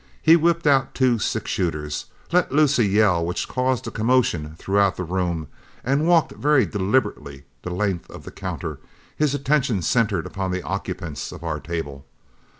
He whipped out two six shooters, let loose a yell which caused a commotion throughout the room, and walked very deliberately the length of the counter, his attention centred upon the occupants of our table.